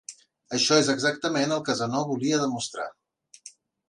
Això és exactament el que Zenó volia demostrar.